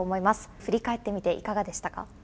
振り返ってみていかがでしたか？